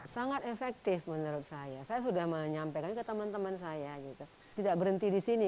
sangat efektif menurut saya saya sudah menyampaikan ke teman teman saya gitu tidak berhenti di sini